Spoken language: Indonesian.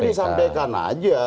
ya nanti disampaikan aja